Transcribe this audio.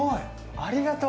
ありがとう。